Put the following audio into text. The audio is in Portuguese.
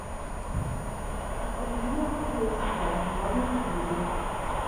acendi e apaguei o cigarro, logo em seguida